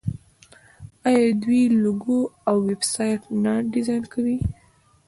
آیا دوی لوګو او ویب سایټ نه ډیزاین کوي؟